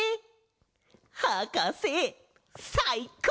はかせさいこう！